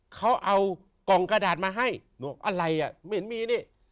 เขาเอากล่องกระดาษมาให้อะไรอ่ะไม่เห็นมีนี่